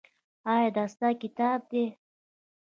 ایا دا ستا کتاب دی؟